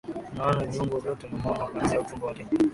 unaona viungo vyote unamwona kuanzia utumbo wake